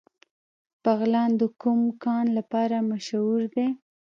بغلان د کوم کان لپاره مشهور دی؟